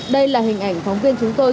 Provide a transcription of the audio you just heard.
đây là hình ảnh phóng viên chúng tôi